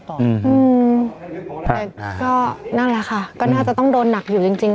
ก็นั่นแหละค่ะก็น่าจะต้องโดนหนักอยู่จริง